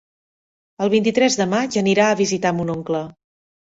El vint-i-tres de maig anirà a visitar mon oncle.